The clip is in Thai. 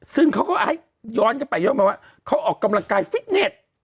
ซึ่งเขาก็ให้ย้อนกันไปย้อนมาว่าเขาออกกำลังกายฟิตเน็ต